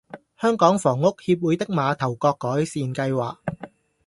香港房屋協會的馬頭角改善計劃